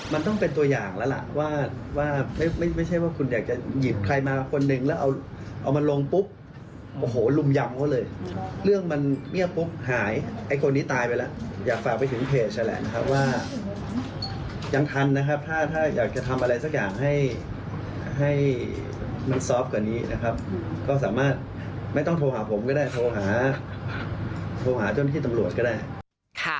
มันต้องเป็นตัวอย่างแล้วล่ะว่าไม่ใช่ว่าคุณอยากจะหยิบใครมาคนหนึ่งแล้วเอามันลงปุ๊บโอ้โหลุมยำเขาเลยเรื่องมันเงียบปุ๊บหายไอ้คนนี้ตายไปแล้วอยากฝากไปถึงเพจนั่นแหละนะครับว่ายังทันนะครับถ้าถ้าอยากจะทำอะไรสักอย่างให้ให้มันซอฟต์กว่านี้นะครับก็สามารถไม่ต้องโทรหาผมก็ได้โทรหาโทรหาเจ้าหน้าที่ตำรวจก็ได้ค่ะ